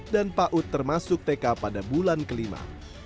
dan paut termasuk tk pada bulan kelima